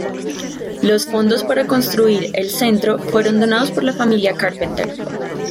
Los fondos para construir el centro fueron donados por la familia Carpenter.